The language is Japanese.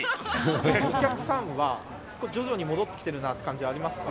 お客さんは徐々に戻ってきてるなっていう感じありますか。